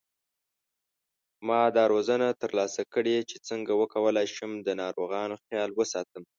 ما دا روزنه تر لاسه کړې چې څنګه وکولای شم د ناروغانو خیال وساتم